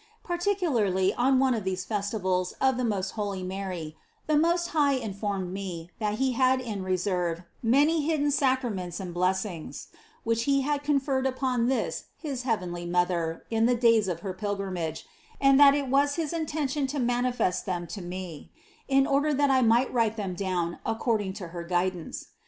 Particularly 8 INTRODUCTION on one of these festivals of the most holy Mary the Most High informed me that He had in reserve many hidden sacraments and blessings, which He had conferred upon this his heavenly Mother in the days of her pilgrimage and that it was his intention to manifest them to me, in order that I might write them down according to her^ guidance.